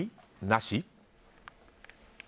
なし？